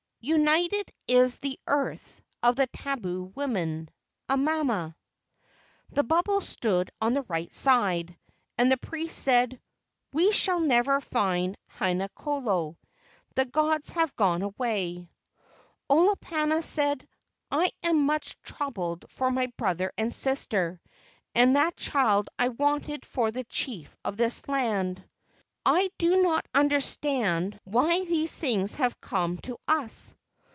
United is the earth of the tabu woman. Amama." The bubbles stood on the right side, and the priest said, "We shall never find Haina kolo; the gods have gone away." Olopana said: "I am much troubled for my brother and sister, and that child I wanted for the chief of this land. I 200 LEGENDS OF GHOSTS do not understand why these things have come to us."